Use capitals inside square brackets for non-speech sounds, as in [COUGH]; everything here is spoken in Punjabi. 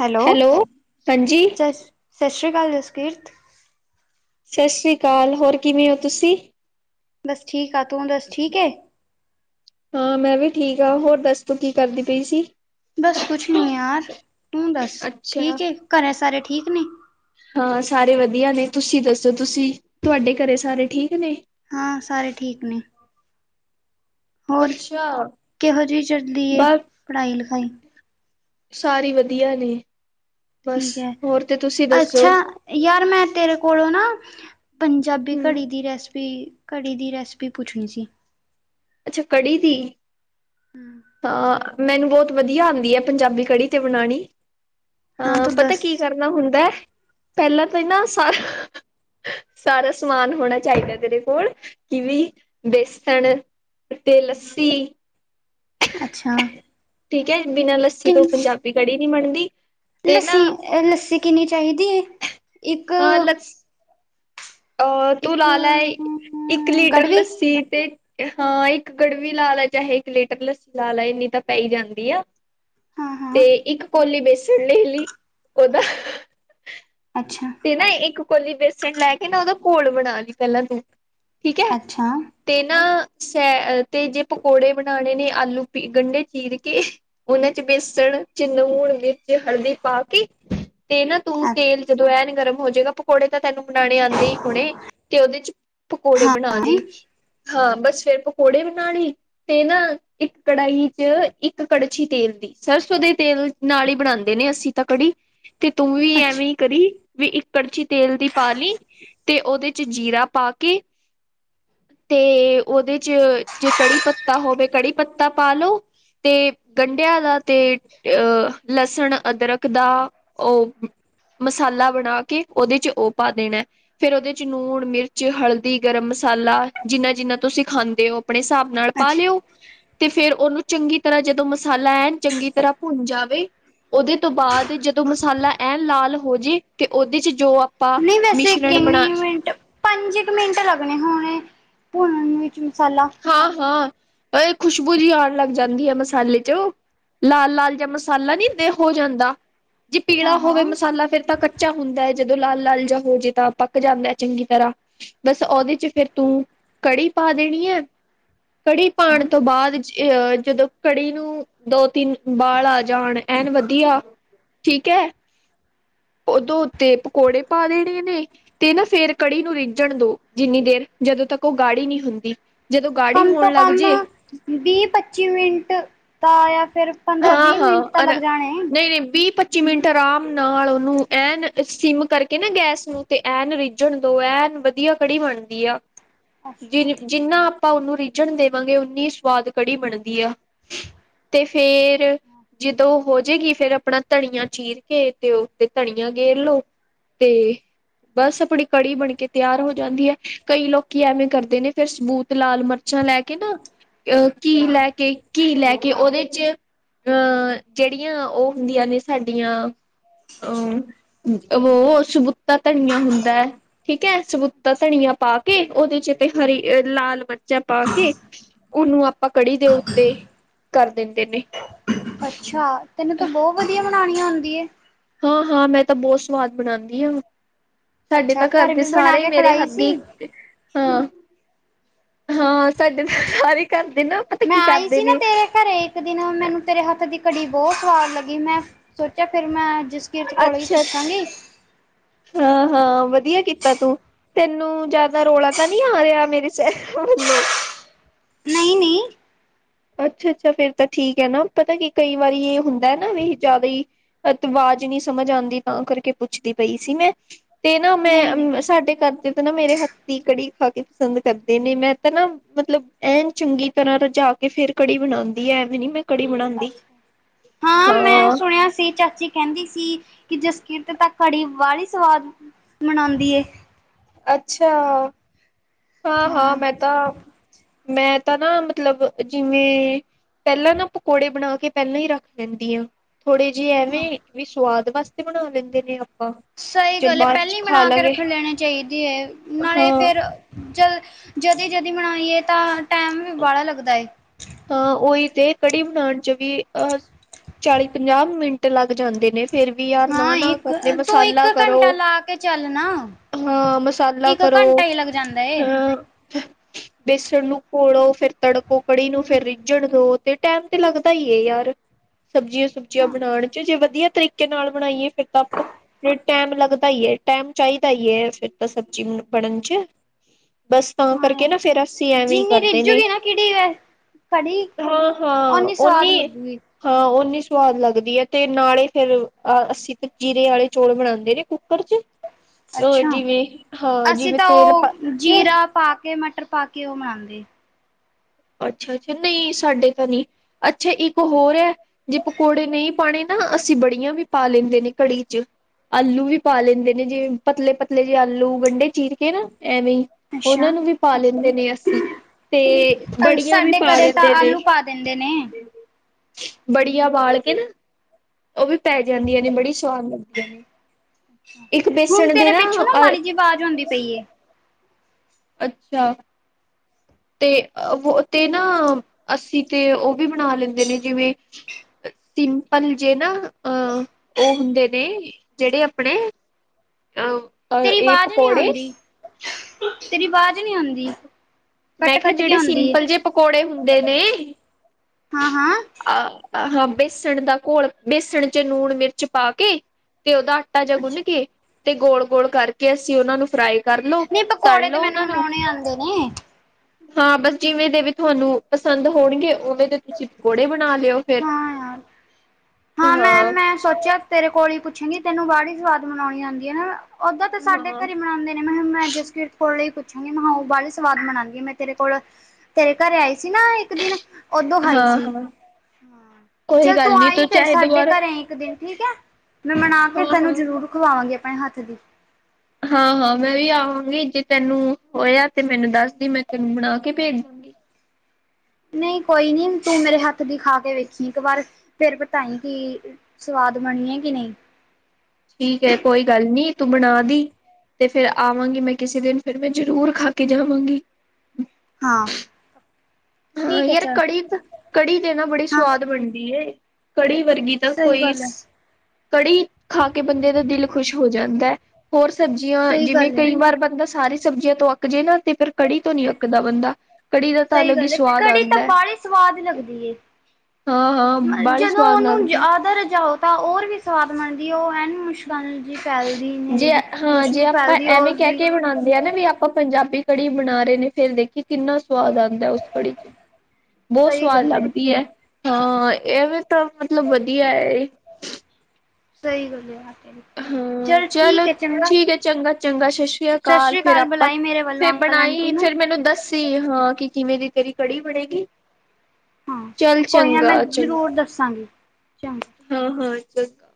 ਹੈਲੋ? ਹਾਂਜੀ ਸ ਸਤਿ ਸ਼੍ਰੀ ਅਕਾਲ ਜਸਕੀਰਤ ਸਤਿ ਸ੍ਰੀ ਅਕਾਲ, ਹੋਰ ਕਿਵੇਂ ਹੋ ਤੁਸੀਂ? ਬਸ ਠੀਕ ਆ ਤੂੰ ਦਸ ਠੀਕ ਹੈ? ਹਾਂ ਮੈਂ ਵੀ ਠੀਕ ਹਾਂ। ਹੋਰ ਦੱਸ ਤੂੰ ਕੀ ਕਰਦੀ ਪਈ ਸੀ? ਬਸ ਕੁਛ ਨਹੀ ਯਾਰ, ਤੂੰ ਦੱਸ ਅੱਛਾ ਠੀਕ ਹੈ, ਘਰੇ ਸਾਰੇ ਠੀਕ? ਨੇ ਹਾਂ ਸਾਰੇ ਵਧੀਆ ਨੇ। ਤੁਸੀਂ ਦੱਸੋ ਤੁਸੀਂ ਤੁਹਾਡੇ ਘਰੇ ਸਾਰੇ ਠੀਕ ਨੇ? ਹਾਂ ਸਾਰੇ ਠੀਕ ਨੇ। ਹੋਰ ਅੱਛਾ ਕਿਹੋ ਜਿਹੀ ਚੱਲਦੀ ਏ ਪੜ੍ਹਾਈ ਲਿਖਾਈ? ਸਾਰੇ ਵਧੀਆ ਨੇ। ਬਸ ਠੀਕ ਹੈ। ਹੋਰ ਤੇ ਤੁਸੀਂ ਦੱਸੋ ਅੱਛਾ-ਯਾਰ ਮੈਂ ਤੇਰੇ ਕੋਲੋਂ ਨਾ? ਪੰਜਾਬੀ ਹਮ ਕੜੀ ਦੀ ਰੈਸਪੀ, ਕੜੀ ਦੀ ਰੈਸਪੀ ਪੁੱਛਣੀ ਸੀ? ਅੱਛਾ ਕੜੀ ਦੀ? ਹਾਂ ਮੈਨੂੰ ਬਹੁਤ ਵਧੀਆ ਆਉਂਦੀ ਹੈ। ਪੰਜਾਬੀ ਕੜੀ ਤੇ ਬਣਾਉਣੀ? ਹਾਂ ਆ ਤੂੰ ਪਤਾ ਦੱਸ ਕੀ ਕਰਨਾ ਹੁੰਦਾ ਹੈ? ਪਹਿਲਾਂ ਤਾਂ ਨਾ ਸਾਰਾ, ਸਾਰਾ ਸਮਾਨ ਹੋਣਾ ਚਾਹੀਦਾ, ਤੇਰੇ ਕੋਲ ਜਿਵੇਂ ਬੇਸਣ, ਤੇ ਲੱਸੀ, ਅੱਛਾ। ਠੀਕ ਐ, ਬਿਨਾਂ ਲੱਸੀ ਕਿੰ ਤੋਂ ਪੰਜਾਬੀ ਕੜੀ ਨਹੀਂ ਬਣਦੀ। ਤੇ ਨਾ ਲੱਸੀ ਅ ਲੱਸੀ ਕਿੰਨੀ ਚਾਹੀਦੀ ਐ ਇੱਕ। ਅਹ ਤੂੰ ਇੱਕ ਲਾ ਲੈ ਇੱਕ ਲੀਟਰ ਗੜਵੀ ਲੱਸੀ ਤੇ ਹਾਂ, ਇੱਕ ਗੜਵੀ ਲਾ ਲੈ ਚਾਹੇ ਇੱਕ ਲਿਟਰ ਲੱਸੀ ਲਾ ਲੈ ਇੰਨੀ ਤਾਂ ਪੈ ਜਾਂਦੀ ਆ। ਹਾਂ ਹਾਂ ਤੇ ਇੱਕ ਕੋਲੀ ਬੇਸਣ ਲੈ ਲਈ ਉਹਦਾ ਅੱਛਾ ਤੇ ਨਾ ਇੱਕ ਕੋਲੀ ਬੇਸਣ ਲੈ ਕੇ ਨਾ ਉਹਦਾ ਘੋਲ ਬਣਾ ਲਈ ਪਹਿਲਾਂ ਤੂੰ। ਠੀਕ ਐ ਅੱਛਾ ਤੇ ਨਾ ਸੈ ਤੇ ਜੇ ਪਕੌੜੇ ਬਣਾਣੇ ਨੇ ਆਲੂ ਪੀ ਗੰਢੇ ਚੀਰ ਕੇ ਓਹਦੇ ਚ ਬੇਸਣ ਵਿੱਚ ਨੁਣ, ਮਿਰਚ, ਹਲਦੀ ਪਾ ਤੇ ਨਾ ਤੂੰ ਤੇਲ ਜਦੋਂ ਐਨ ਗਰਮ ਹੋਜੇਗਾ ਪਕੌੜੇ ਤਾਂ। ਤੈਨੂੰ ਬਨਾਣੇ ਆਂਦੇ ਈ ਹੋਣੇ ਤੇ ਉਹਦੇ ਚ ਪਕੌੜੇ ਹਾਂ ਬਣਾ ਲਈ। ਹਾਂ, ਬਸ ਫਿਰ ਪਕੌੜੇ ਬਣਾ ਲਈ ਤੇ ਨਾ ਇੱਕ ਕੜਾਹੀ ਚ ਇੱਕ ਕੜਛੀ ਤੇਲ ਸਰਸੋ ਦੇ ਤੇਲ ਨਾਲ ਹੀ ਬਣਾਂਦੇ ਨੇ ਅਸੀਂ ਤਾਂ ਕੜੀ ਤੇ ਤੂੰ ਵੀ ਅੱਛਾ ਐਵੇਂ ਕਰੀ। ਵੀ ਇੱਕ ਕੜਛੀ ਤੇਲ ਦੀ ਪਾ ਲਈ ਤੇ ਉਹਦੇ ਚ ਜੀਰਾ ਪਾ ਕੇ ਤੇ ਉਹਦੇ ਚ ਜੇ ਕੜੀ ਪੱਤਾ ਹੋਵੇ ਕੜੀ ਪੱਤਾ ਪਾ ਲੋ। ਤੇ ਗੰਢਿਆਂ ਦਾ ਤੇ ਅਹ ਲਸਣ ਅਦਰਕ ਦਾ ਓ ਮਸਾਲਾ ਬਣਾ ਕੇ ਉਹਦੇ ਚ ਉਹ ਪਾ ਦੇਣਾ ਫੇਰ ਉਹਦੇ ਚ ਲੂਣ, ਮਿਰਚ ਹਲਦੀ, ਗਰਮ ਮਸਾਲਾ ਜਿੰਨਾ-ਜਿੰਨਾ ਤੁਸੀਂ ਖਾਂਦੇ ਹੋ ਆਪਣੇ ਹਿਸਾਬ ਨਾਲ ਪਾ ਅੱਛਾ ਲਿਓ। ਤੇ ਫੇਰ ਉਹਨੂੰ ਚੰਗੀ ਤਰ੍ਹਾਂ ਜਦੋਂ ਮਸਾਲਾ ਐਨ ਚੰਗੀ ਤਰ੍ਹਾਂ ਭੁੰਨ ਜਾਵੇ। ਉਹਦੇ ਤੋਂ ਬਾਅਦ ਜਦੋਂ ਮਸਾਲਾ ਐਨ ਲਾਲ ਹੋ ਜੇ ਤੇ ਉਹਦੇ ਚ ਜੋ ਆਪਾਂ ਨਹੀਂ ਵੈਸੇ ਮਿਸ਼ਰਣ ਬਣਾ ਕਿੰਨੀ ਮਿੰਟ ਪੰਜ ਕੁ ਮਿੰਟ ਲੱਗਣੇ ਹੋਣੇ। ਵਿੱਚ ਮਸਾਲਾ ਹਾਂ-ਹਾਂ ਇਹ ਖੁਸ਼ਬੂ ਜਿ ਆਉਣ ਲੱਗ ਜਾਂਦੀ ਹੈ। ਮਸਾਲੇ ਚ? ਲਾਲ ਲਾਲ ਜਾ ਮਸਾਲਾ ਨੀ ਹੋ ਜਾਂਦਾ ਜੇ ਪੀਲਾ ਹਾਂ ਹੋਵੇ ਹਾਂ ਮਸਾਲਾ ਫੇਰ ਤਾਂ ਕ ਕੱਚਾ ਹੁੰਦਾ। ਜਦੋਂ ਲਾਲ ਲਾਲ ਜਾ ਹੋਜੇ ਤਾਂ ਪੱਕ ਜਾਂਦਾ ਚੰਗੀ ਤਰ੍ਹਾਂ। ਬਸ ਉਹਦੇ ਚ ਫੇਰ ਤੂੰ ਕੜੀ ਪਾ ਦੇਣੀ ਐ। ਕੜੀ ਅੱਛਾ ਪਾਉਣ ਤੋਂ ਬਾਅਦ। ਅ ਜਦੋਂ ਕੜੀ ਨੂੰ ਦੋ ਤਿੰਨ ਬਾਲ ਆ ਜਾਣ ਐਨ ਵਧੀਆ। ਠੀਕ ਐ। ਉਦੋਂ ਉੱਤੇ ਪਕੌੜੇ ਪਾ ਦੇਣੇ ਨੇ ਤੇ ਨਾ ਫੇਰ ਕੜੀ ਨੂੰ ਰਿੱਝਣ ਦੋ ਜਿੰਨੀ ਦੇਰ। ਜਦੋਂ ਤੱਕ ਉਹ ਗਾੜੀ ਨੀ ਹੁੰਦੀ। ਜਦੋਂ ਗਾੜੀ ਕਮ ਤੋਂ ਹੋਣ ਲੱਗ ਕਮ ਜੇ ਵੀਹ ਪੱਚੀ ਮਿੰਟ ਦਾ ਆਇਆ। ਫਿਰ ਪੰਦਰਾਂ ਵੀਹ ਹਾਂ-ਹਾਂ ਮਿੰਟ ਤਾਂ ਅਰ ਲੱਗ ਜਾਣੇ। ਨਹੀਂ-ਨਹੀਂ ਵੀਹ ਪੱਚੀ ਮਿੰਟ ਆਰਾਮ ਨਾਲ ਉਹਨੂੰ ਐਨ ਸਿਮ ਕਰਕੇ ਨਾ ਗੈਸ ਨੂੰ ਤੇ ਐਨ ਰਿੱਝਣ ਦੋ ਐਨ ਵਧੀਆ ਕੜੀ ਬਣਦੀ ਆ ਜਿ ਅੱਛਾ ਜਿੰਨਾ ਆਪਾਂ ਉਹਨੂੰ ਰਿੱਝਣ ਦੇਵਾਂਗੇ ਓਨੀ ਸਵਾਦ ਕੜੀ ਬਣਦੀ ਆ ਤੇ ਫੇਰ ਜਦੋਂ ਹੋਜੇਗੀ ਫੇਰ ਆਪਣਾ ਧਨੀਆ ਚੀਰ ਕੇ ਤੇ ਉਸਦੇ ਧਨੀਆ ਗੇਰ ਲੋ ਤੇ ਬਸ ਆਪਣੀ ਕੜੀ ਬਣਕੇ ਤਿਆਰ ਹੋ ਜਾਂਦੀ ਐ ਕਈ ਲੋਕੀ ਐਵੇਂ ਕਰਦੇ ਨੇ ਫਿਰ ਸਬੂਤ ਲਾਲ ਮਿਰਚ ਲੈ ਕੇ ਨਾ ਅਹ ਘੀ ਲੈ ਕੇ ਘੀ ਲੈ ਕੇ ਉਹਦੇ ਵਿੱਚ ਅਹ ਜਿਹੜੀਆਂ ਉਹ ਹੁੰਦੀਆਂ ਨੇ ਸਾਡੀਆਂ ਅਹ ਹੋ ਸਬੁਤਾ ਧਨੀਆ ਹੁੰਦਾ ਠੀਕ ਐ ਸਬੁਤਾ ਧਨੀਆ ਪਾ ਕੇ ਉਹਦੇ ਚ ਤੇ ਹਰੀ ਲਾਲ ਪਾ ਕੇ ਉਹਨੂੰ ਆਪਾਂ ਕੜੀ ਦੇ ਓਤੇ ਕਰ ਦਿੰਦੇ ਨੇ ਅੱਛਾ, ਤੈਨੂੰ ਤਾਂ ਬਹੁਤ ਵਧੀਆ ਬਨਾਣੀ ਆਂਦੀ ਐ ਹਾਂ, ਹਾਂ ਮੈਂ ਤਾਂ ਬਹੁਤ ਸਵਾਦ ਬਣਾਣੀ ਆ ਸਾਡੇ ਅੱਛਾ ਤਾਂ ਘਰ ਘਰਦੇ ਵੀ ਬਣਾ ਸਾਰੇ ਹੀ ਕੇ ਮੇਰੇ ਖਿਲਾਈ ਹੱਥ ਸੀ ਦੀ ਹਾਂ ਹਾਂ ਸਾਡੇ ਸਾਰੇ ਕਰਦੇ ਨਾ ਪਤਾ ਮੈਂ ਕੀ ਆਈ ਸੀ ਕਰਦੇ ਨਾ ਨੇ ਤੇਰੇ ਘਰੇ ਇੱਕ ਦਿਨ ਮੈਨੂੰ ਤੇਰੇ ਹੱਥ ਦੀ ਕੜੀ ਬਹੁਤ ਸਵਾਦ ਲਗੀ ਮੈਂ ਸੋਚਿਆ ਫਿਰ ਮੈਂ ਜਿਸਕਿਰਤ ਕੋਲੋ ਈ ਪੁੱਛਾਂਗੀ ਹਾਂ, ਹਾਂ ਵਧੀਆ ਕੀਤਾ ਤੂੰ ਤੈਨੂੰ ਜਿਆਦਾ ਰੌਲਾ ਤਾਂ ਨਹੀ ਆ ਰਿਹਾ ਮੇਰੇ ਵਲੋ ਨਹੀਂ ਨਹੀਂ ਅੱਛਾ, ਅੱਛਾ ਫੇਰ ਤਾਂ ਠੀਕ ਹੈ ਨਾ ਪਤਾ ਕੀ ਕਈ ਵਾਰੀ ਇਹ ਹੁੰਦਾ ਨਾ ਵੀ ਜਿਆਦਾ ਹੀ ਅਤਵਾਰ ਜੈ ਨਹੀਂ ਸਮਝ ਆਂਦੀ ਤਾਂ ਕਰਕੇ ਪੁੱਛਦੀ ਪਈ ਸੀ ਮੈਂ ਤੇ ਨਾ ਨਹੀਂ ਨਹੀਂ ਮੈਂ ਸਾਡੇ ਘਰ ਦੇ ਤੇ ਨਾ ਮੇਰੇ ਰੇ ਹੱਥ ਦੀ ਕੜੀ ਖਾ ਕੇ ਪਸੰਦ ਕਰਦੇ ਨੇ ਮੈਂ ਤਾਂ ਨਾ ਮਤਲਬ ਐਨ ਚੰਗੀ ਤਰਾ ਰੁਝਾ ਕੇ ਫੇਰ ਕੜੀ ਬਣਾਉਂਦੀ ਐਵੇਂ ਨੀ ਮੈਂ ਕੜੀ ਬਣਾਉਂਦੀ ਅੱਛਾ ਹਾਂ ਮੈਂ ਹਾਂ ਸੁਣਿਆ ਸੀ ਚਾਚੀ ਕਹਿੰਦੀ ਸੀ ਕਿ ਜਸਕੀਰਤ ਤਾਂ ਕੜੀ ਬੜੀ ਹੀ ਸਵਾਦ ਮਨਾਦੀ ਐ ਅੱਛਾ- ਹਾਂ, ਹਾਂ ਮੈਂ ਤਾਂ ਮੈਂ ਤਾਂ ਨਾ ਮਤਲਬ ਜਿਵੇਂ ਪਹਿਲਾਂ ਨਾ ਪਕੌੜੇ ਬਣਾ ਕੇ ਪਹਿਲਾਂ ਹੀ ਰਖ ਲੈਂਦੀ ਆ ਥੋੜੇ ਜਿਹੇ ਐਵੇਂ ਵੀ ਸੁਵਾਦ ਵਾਸਤੇ ਬਣਾ ਲੈਂਦੇ ਨੇ ਆਪ ਸਹੀ ਗੱਲ ਹੈ ਪਹਿਲਾਂ ਬਣਾ ਕੇ ਰੱਖਣ ਲੈਣੀ ਚਾਹੀਦੀ ਹੈ ਨਾਲੇ ਹਾਂ। ਫੇਰ ਜਲ ਜਦੀ ਜਦੀ ਮਨਾਈਏ ਤਾਂ ਟਾਈਮ ਵੀ ਬਾਹਲਾ ਲੱਗਦਾ ਏ ਤਾਂ ਉਹੀ ਤੇ ਕੜੀ ਬਣਾਉਣ ਚ ਵੀ ਅਹ ਚਾਲੀ ਪੰਜਾਹ ਮਿੰਟ ਲੱਗ ਜਾਂਦੇ ਨੇ ਫੇਰ ਵੀ ਯਾਰ ਨਾ ਹਾਂ ਨਾ ਇੱਕ ਕਰਨੇ ਤੂੰ ਇੱਕ ਮਸਾਲਾ ਕਰੋ ਘੰਟਾ ਲਾ ਕੇ ਚੱਲ ਨਾ ਹਾਂ ਮਸਾਲਾ ਇੱਕ ਕਰੋ ਘੰਟਾ ਹੀ ਲੱਗ ਜਾਂਦਾ ਏ। ਹ ਬੇਸਣ ਨੂੰ ਘੋੜੋ ਫੇਿਰ ਤੜਕੋ ਕੜੀ ਨੂੰ ਫਿਰ ਰਿੱਝਣ ਦੋ ਤੇ ਟੈਮ ਤੇ ਲੱਗਦਾ ਹੀ ਹੈ ਯਾਰ ਸਬਜ਼ੀਆਂ ਸੁਬਜ਼ੀਆਂ ਹਾਂ ਬਣਾਉਣ ਚ ਜੇ ਵ ਵਧੀਆ ਤਰੀਕੇ ਨਾਲ ਬਣਾਈਏ ਫਿਰ ਤਾਂ ਆਪ ਟੈਮ ਲੱਗਦਾ ਹੀਏ ਟੈਮ ਚਾਹੀਦਾ [UNINTELLIGIBLE] ਫਿਰ ਤਾਂ ਸਬਜ਼ੀ ਬਣਨ ਚ ਬਸ ਤਾਂ ਕਰਕੇ ਯਾਰ ਨਾ ਫਿਰ ਅਸੀਂ ਐਵੇਂ ਹੀ ਜਿੰਨੀ ਕਰਦੇ ਨੇ ਰਿੱਝੂਗੀ ਨਾ ਕਿਹੜੀ ਕੜੀ ਹਾਂ, ਹਾਂ ਓਨੀ ਸਵਾਦ ਲੱਗੂਗੀ। ਹਾਂ ਨੀ ਸਵਾਦ ਲੱਗਦੀ ਹੈ ਤੇ ਨਾਲੇ ਫੇਰ ਅਸੀਂ ਤਾਂ ਜੀਰੇ ਵਾਲੇ ਚੋਲ ਬਣਾਉਂਦੇ ਨੇ ਕੁੱਕਰ ਚ ਅ ਅੱਛਾ ਜਿਵੇਂ ਹਾਂ ਅਸੀਂ ਜਿਵੇਂ ਤਾਂ ਤੇਲ ਪਾ ਉਹ ਕੇ ਜੀਰਾ ਪਾ ਕੇ ਪਾ ਕੇ ਉਹ ਮਨਾਂਦੇ ਅੱਛਾ, ਅੱਛਾ ਨਹੀਂ ਸਾਡੇ ਤਾਂ ਨਹੀ ਅੱਛਾ ਇੱਕ ਹੋਰ ਹੈ ਜੇ ਪਕੌੜੇ ਨਹੀਂ ਪਾਣੇ ਨਾ ਅਸੀਂ ਬੜੀਆਂ ਵੀ ਪਾ ਲੈਂਦੇ ਨੇ ਕੜੀ ਚ ਆਲੂ ਵੀ ਪਾ ਲੈਂਦੇ ਨੇ ਜੇ ਪਤਲੇ ਪਤਲੇ ਜੇ ਆਲੂ ਗੰਢੇ ਚੀਰ ਕੇ ਨਾ ਐਵੇਂ ਉਹਨਾਂ ਅੱਛਾ। ਨੂੰ ਵੀ ਪਾ ਲੈਂਦੇ ਨੇ ਅਸੀਂ ਤੇ ਬੜੀਆਂ ਵੀ ਸਾਡੇ ਪਾ ਘਰੇ ਤਾਂ ਲੈਂਦੇ ਨੇ ਆਲੂ ਪਾ ਦਿੰਦੇ ਨੇ। ਬੜੀਆਂ ਊਬਾਲ ਕੇ ਨਾ ਉਹ ਵੀ ਪੈ ਜਾਂਦੀਆਂ ਨੇ ਬੜੀ ਸ਼ਵਾਦ ਲੱਗਦੀਆਂ ਨੇ। ਇੱਕ ਹੁਣ ਬੇਸਣ ਦੇ ਤੇਰੇ ਪਿੱਛੋਂ ਨਾ ਅ- ਮਾੜੀ ਜਿਹੀ ਆਵਾਜ਼ ਆਉਂਦੀ ਪਈ ਹੈ। ਅੱਛਾ। [UNINTELLIGIBLE] ਤੇ ਤੇ ਨਾ ਅੱਸੀ ਤੇ ਉਹ ਵੀ ਬਣਾ ਲੈਂਦੇ ਨੇ ਜਿਵੇਂ ਸਿੰਪਲ ਜੇ ਨਾ ਅ ਉਹ ਹੁੰਦੇ ਨੇ ਜਿਹੜੇ ਆਪਣੇ [UNINTELLIGIBLE] ਤੇਰੀ ਆਵਾਜ਼ ਨੀ ਪਕੌੜੇ ਆਉਂਦੀ ਤੇਰੀ ਆਵਾਜ਼ ਨੀ ਆਉਂਦੀ। ਮੈਂ ਕੱਟ ਕਿਹਾ ਕੱਟ ਕੇ ਜਿਹੜੇ ਆਉਂਦੀ ਏ। ਸਿੰਪਲ ਜਿ ਪਕੌੜੇ ਹੁੰਦੇ ਨੇ। ਹਾਂ ਹਾਂ। ਅ ਹਾਂ। ਬੇਸਣ ਦਾ ਘੋਲ ਬੇਸਣ ਚ ਨੂੰਣ ਮਿਰਚ ਪਾ ਕੇ ਤੇ ਉਹਦਾ ਆਟਾ ਜਿਹਾ ਅੱਛਾ, ਗੁੰਨ ਕੇ ਤੇ ਗੋਲ ਗੋਲ ਕਰਕੇ ਅਸੀਂ ਉਹਨਾ ਨੂੰ ਫਰਾਈ ਕਰ ਲੋ ਨਹੀਂ ਤਲ ਪਕੌੜੇ ਤੇ ਲੋ ਮੈਨੂੰ ਉਹਨਾਂ ਨੂੰ ਬਨਾਉਣੇ ਆਉਂਦੇ ਨੇ। ਹਾਂ ਬਸ ਜਿਵੇਂ ਦੇ ਵੀ ਤੁਹਾਨੂੰ ਪਸੰਦ ਹੋਣਗੇ ਉਵੇਂ ਦੇ ਤੁਸੀਂ ਪਕੌੜੇ ਬ ਹਾਂ ਯਾਰ ਹਾਂ ਮੈਂ ਮੈਂ ਸੋਚਿਆ ਤੇਰੇ ਕੋਲ ਹੀ ਪੁੱਛਾਂਗੀ। ਤੈਨੂੰ ਬਾਹੜੀ ਸਵਾਦ ਬਨਾਉਣੀ ਆਉਦੀ ਉਦਾਂ ਤੇ ਸਾਡੇ ਹਾਂ ਘਰੇ ਹੀ ਬਨਾਉਂਦੇ ਨੇ ਮੈ ਕਿਹਾ ਮੈਂ ਜਸਪਰੀਤ ਕੋਲੋ ਪੁੱਛਾਂਗੀ, ਮੈਂ ਕਿਹਾ ਉਹ ਬਾਹਲੇ ਸਵਾਦ ਬਣਾਦੀ ਮੈਂ ਤੇਰੇ ਕੋਲ ਤੇਰੇ ਘਰੇ ਆਈ ਸੀ ਨਾ ਇੱਕ ਦਿਨ ਓਦੋਂ ਖਾਈ ਹਾਂ ਸੀ। ਹਾਂ ਹਾ ਕੋਈ ਚੱਲ ਗੱਲ ਤੂੰ ਨੀ ਆਈ ਫੇਿਰ ਚਾਹੇ ਸਾਡੇ ਦੁਬਾਰਾ ਘਰੇ ਇੱਕ ਦਿਨ ਠੀਕ ਹੈ। ਮੈਂ ਬਨਾ ਕੇ ਹਾਂ ਤੈਨੂੰ ਹਾਂ ਜ਼ਰੂਰ ਖਵਾਵਾਂਗੀ ਆਪਣੇ ਹੱਥ ਦੀ। ਹਾਂ-ਹਾਂ, ਮੈਂ ਵੀ ਆਵਾਂਗੀ ਜੇ ਤੈਨੂੰ ਹੋਇਆ ਤੇ ਮੈਨੂੰ ਦੱਸਦੀ ਮੈਂ ਤੈਨੂੰ ਬਣਾ ਕੇ ਭੇਜ ਦਾਂਗੀ। [UNINTELLIGIBLE] ਨਹੀਂ ਕੋਈ ਨੀ ਤੂੰ ਮੇਰੇ ਹੱਥ ਦੀ ਖਾ ਕੇ ਵੇਖੀ ਇੱਕ ਵਾਰ ਫੇਿਰ ਬਤਾਈ ਕਿ ਸਵਾਦ ਬਣੀਏ ਕਿ ਨਹੀਂ। ਠੀਕ ਹੈ ਕੋਈ ਗੱਲ ਨੀ ਤੂੰ ਬਣਾ ਦੀ। ਤੇ ਫਿਰ ਆਵਾਂਗੀ ਮੈਂ ਕਿਸੇ ਦਿਨ ਫਿਰ ਮੈਂ ਜ਼ਰੂਰ ਖਾ ਕੇ ਜਾਵਾਂਗੀ। ਹਾਂ। ਹਾਂ, ਠੀਕ ਹੈ ਯਾਰ ਚੱਲ ਕੜੀ-ਕੜੀ ਤੇਨਾ ਬੜੀ ਹਾਂ ਸਵਾਦ ਬਣਦੀ ਹੈ। ਕੜੀ ਵਰਗੀ ਤਾਂ ਸਹੀ ਕੋਈ ਗੱਲ ਹੈ ਕੜੀ ਖਾ ਕੇ ਬੰਦੇ ਦਾ ਦਿਲ ਖੁਸ਼ ਹੋ ਜਾਂਦਾ ਹੋਰ ਸਬਜ਼ੀਆਂ ਸਹੀ ਜਿਵੇਂ ਗੱਲ ਹੈ ਕਈ ਵਾਰ ਬੰਦਾ ਸਾਰੇ ਸਬਜ਼ੀਆਂ ਤੋਂ ਅੱਕ ਜੇ ਨਾ ਤੇ ਫੇਿਰ ਕੜੀ ਤੋਂ ਨੀ ਅੱਕਦਾ ਬੰਦਾ ਕੜੀ ਦਾ ਤਾਂ ਸਹੀ ਅਲੱਗ ਹੀ ਗੱਲ ਹੈ ਸਵਾਦ ਕੜੀ ਤਾਂ ਆਂਦਾ ਬਾਹਲੀ ਸਵਾਦ ਲੱਗਦੀ ਹਾਂ-ਹਾਂ ਬਾਹਲੀ ਜਦੋਂ ਸਵਾਦ ਉਹਨੂੰ ਲੱਗਦੀ। ਜ਼ਿਆਦਾ ਜਾਓ ਤਾਂ ਹੋਰ ਵੀ ਸਵਾਦ ਬਣਦੀ ਉਹ ਐ ਜੇ ਹਾਂ ਜੇ ਖੁਸ਼ਬੂ ਆਪਾਂ ਫੈਲਦੀ ਐਵੇਂ ਕਹਿ ਉਸਦੀ ਕੇ ਬਣਾਉਂਦੇ ਹਾਂ ਨਾ ਵੀ ਆਪਾਂ ਪੰਜਾਬੀ ਕੜੀ ਬਣਾ ਰਹੇ ਨੇ ਫੇਰ ਦੇਖੀ ਕਿੰਨਾ ਸਵਾਦ ਆ। ਉਸ ਕੜੀ ਚ ਬਹੁਤ ਸਹੀ ਸਵਾਦ ਗੱਲ ਏ ਲੱਗਦੀ ਹੈ। ਹਾਂ, ਇਹਵੇ ਤਾਂ ਮਤਲਬ ਵਧੀਆ ਹੈ। ਸਹੀ ਗੱਲ ਆ। ਹਾਂ ਚਲੋ ਠੀਕ ਹੈ ਚੰਗਾ ਚੰਗਾ ਸਤਿ ਸ੍ਰੀ ਅਕਾਲ ਫਿਰ ਆਪਾਂ ਬੁਲਾਈ ਮੇਰੇ ਵੱਲੋਂ ਫਿਰ ਅੰਕਲ ਆਂਟੀ ਬਣਾਈ ਨੂੰ ਫਿਰ ਮੈਨੂੰ ਦੱਸੀ ਹਾਂ, ਕਿ ਕਿਵੇਂ ਦੀ ਤੇਰੀ ਕੜੀ ਬਣੇਗੀ। ਹਾਂ ਚੱਲ, ਕੋਈ ਨਾ ਮੈਂ ਚੰਗਾ ਚੱਲ ਜ਼ਰੂਰ ਦੱਸਾਂਗੀ ਚੰਗਾ ਹਾਂ- ਹਾਂ। ਚੰਗਾ।